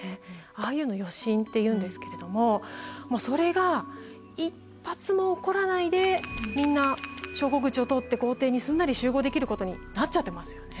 ああいうの余震っていうんですけれどもそれが一発も起こらないでみんな昇降口を通って校庭にすんなり集合できることになっちゃってますよね。